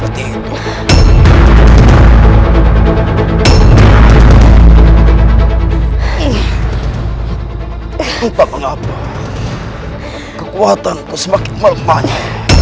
eva mengapa kekuatanku semakin melemahnya